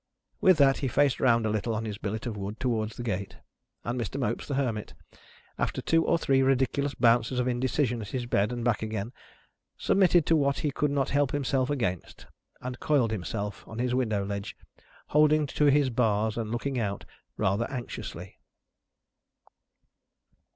With that, he faced round a little on his billet of wood towards the gate; and Mr. Mopes, the Hermit, after two or three ridiculous bounces of indecision at his bed and back again, submitted to what he could not help himself against, and coiled himself on his window ledge, holding to his bars and looking out rather anxiously.